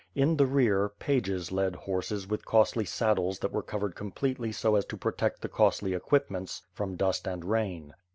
In the rear, pages led horses with costly saddles that were covered com pletely so as to protect the costly equipments from dust and rain.